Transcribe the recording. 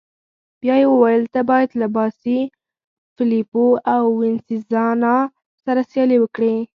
بیا يې وویل: ته باید له باسي، فلیپو او وینسزنا سره سیالي وکړې.